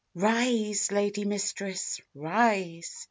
Rise, Lady Mistress! rise!